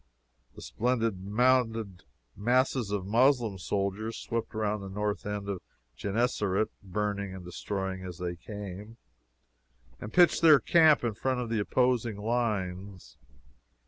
The splendidly mounted masses of Moslem soldiers swept round the north end of Genessaret, burning and destroying as they came, and pitched their camp in front of the opposing lines.